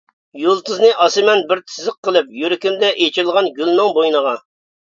يۇلتۇزنى ئاسىمەن بىر تىزىق قىلىپ، يۈرىكىمدە ئېچىلغان گۈلنىڭ بوينىغا.